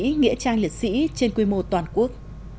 mộ liệt sĩ nghĩa trang liệt sĩ trên quy mô toàn quốc